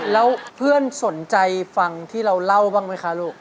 แล้วเพื่อนสนใจฟังที่เราเล่าบ้างไหมคะลูก